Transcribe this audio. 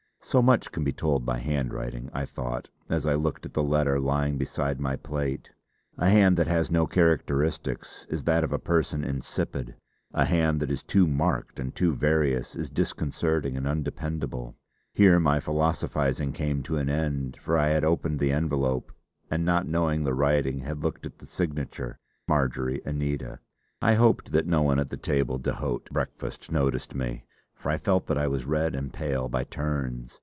So much can be told by handwriting, I thought, as I looked at the letter lying beside my plate. A hand that has no characteristics is that of a person insipid; a hand that is too marked and too various is disconcerting and undependable. Here my philosophising came to an end, for I had opened the envelope, and not knowing the writing, had looked at the signature, "Marjory Anita." I hoped that no one at the table d'hote breakfast noticed me, for I felt that I was red and pale by turns.